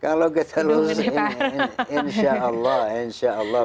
kalau kita lulus ini insya allah insya allah